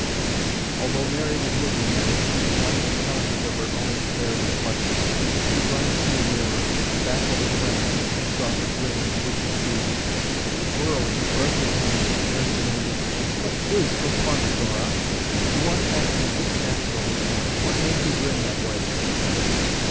Although Mary was looking at it, she was not even conscious of her own fair reflection. She glanced in the mirror, back at her friend, and saw her grinning in wicked glee. Whirling, brush in hand, Mary demanded, "What is so funny, Dora? You aren't acting a bit natural this morning. What made you grin that way?"